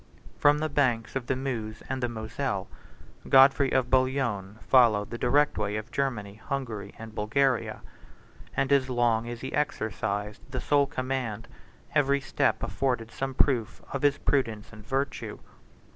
From the banks of the Meuse and the Moselle, Godfrey of Bouillon followed the direct way of Germany, Hungary, and Bulgaria; and, as long as he exercised the sole command every step afforded some proof of his prudence and virtue.